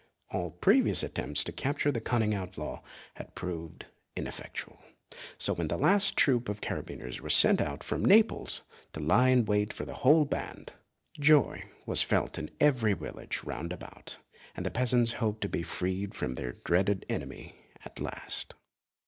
All previous attempts to capture the cunning outlaw had proved ineffectual; so when at last a troop of carbineers was sent out from Naples to lie in wait for the whole band, joy was felt in every village round about, and the peasants hoped to be freed from their dreaded enemy at last.